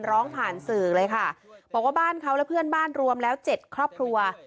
ร้องผ่านสื่อเลยค่ะบอกว่าบ้านเขาและเพื่อนบ้านรวมแล้วเจ็ดครอบครัว